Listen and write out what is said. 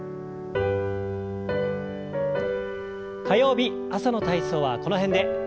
火曜日朝の体操はこの辺で。